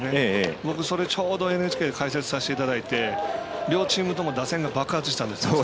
僕、それちょうどＮＨＫで解説させていただいて両チームとも打線が爆発したんです。